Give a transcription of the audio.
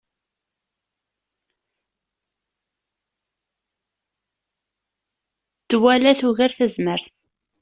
Ttwala tugar tazmert.